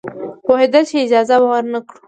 پوهېدل چې اجازه به ورنه کړي.